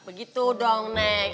begitu dong neng